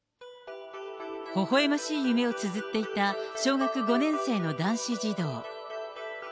ほほえましい夢をつづっていた小学５年生の男子児童。